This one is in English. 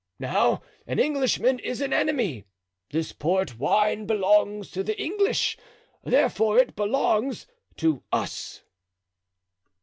Now an Englishman is an enemy; this port wine belongs to the English, therefore it belongs to us."